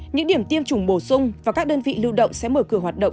những điểm tiêm chủng bổ sung và các đơn vị lưu động sẽ mở cửa hoạt động